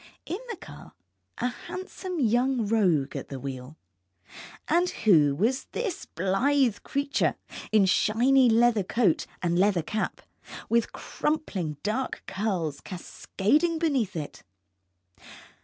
In the car, a handsome young rogue at the wheel, and who was this blithe creature in shiny leather coat and leather cap, with crumpling dark curls cascading beneath it?